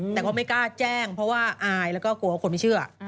แต่ก็ไม่กล้าแจ้งเพราะว่าอายแล้วก็กลัวคนไม่เชื่อ